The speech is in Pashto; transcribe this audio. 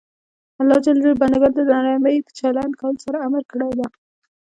الله ج بنده ګانو ته د نرمۍ په چلند کولو سره امر کړی ده.